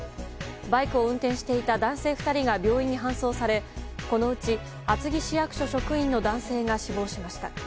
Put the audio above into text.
バイクを運転していた男性２人が病院に搬送されこのうち厚木市役所職員の男性が死亡しました。